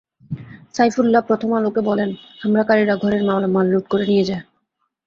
সাইফুল্লা প্রথম আলোকে বলেন, হামলাকারীরা ঘরের মালামাল লুট করে নিয়ে যায়।